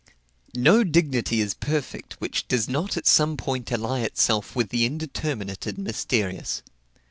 No dignity is perfect which does not at some point ally itself with the indeterminate and mysterious.